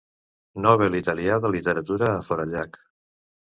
Nobel italià de literatura a Forallac.